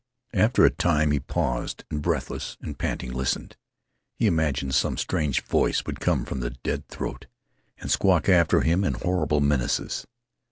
After a time he paused, and, breathless and panting, listened. He imagined some strange voice would come from the dead throat and squawk after him in horrible menaces.